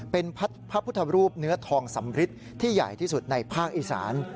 เป็นพระพุทธรูปเนื้อทองสำริทที่ใหญ่ที่สุดในภาคอีสาน